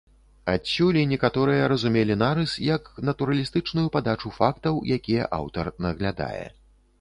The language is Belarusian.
Адсюль і некаторыя разумелі нарыс як натуралістычную падачу фактаў, якія аўтар наглядае.